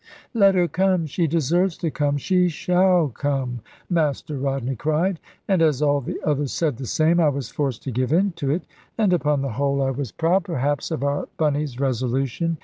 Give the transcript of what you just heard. "Let her come; she deserves to come; she shall come," Master Rodney cried; and as all the others said the same, I was forced to give in to it; and upon the whole I was proud perhaps of our Bunny's resolution.